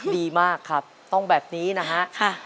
ดีมากครับต้องแบบนี้นะฮะ